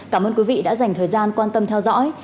cảm ơn quý vị đã dành thời gian quan tâm theo dõi